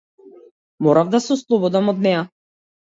Морав да се ослободам од неа.